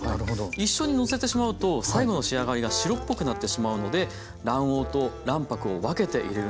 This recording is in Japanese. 一緒にのせてしまうと最後の仕上がりが白っぽくなってしまうので卵黄と卵白を分けて入れるんだそうです。